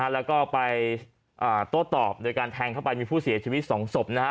แล้วก็ไปโต้ตอบโดยการแทงเข้าไปมีผู้เสียชีวิต๒ศพนะฮะ